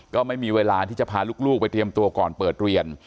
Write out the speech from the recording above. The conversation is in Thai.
ก็ไม่มีเวลาที่จะพาลูกไปเตรียมตัวก่อนเปิดเรียน